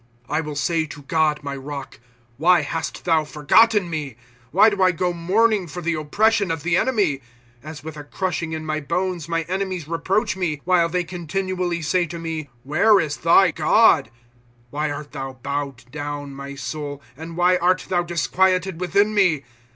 ' I will say to God my rock : Why hast thou forgotten me ? Why do I go mourning for the oppression of the enemy ?^'^ As with a crushing in my bones my enemies reproach me, While they continually say to me : Where is thy God? ^^ Why art thou bowed down, my soul, And why art thou disquieted within me